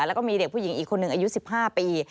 แล้วก็มีเด็กผู้หญิงอีกคนหนึ่งอายุ๑๕ปี